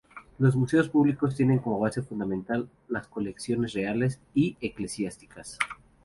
Los museos públicos tienen como base fundamental las colecciones reales y eclesiásticas.